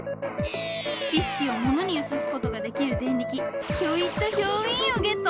意識をものに移すことができるデンリキ「ヒョイットヒョウイーン」をゲット！